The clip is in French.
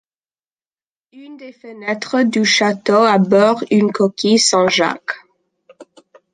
Une des fenêtres du château arbore une coquille Saint-Jacques.